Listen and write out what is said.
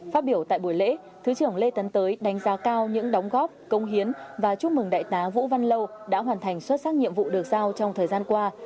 phát biểu tại buổi lễ thứ trưởng lê tấn tới đánh giá cao những đóng góp công hiến và chúc mừng đại tá vũ văn lâu đã hoàn thành xuất sắc nhiệm vụ được giao trong thời gian qua